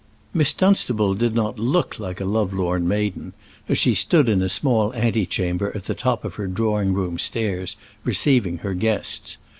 Miss Dunstable did not look like a love lorn maiden, as she stood in a small ante chamber at the top of her drawing room stairs receiving her guests.